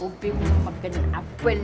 kopi mau makan apel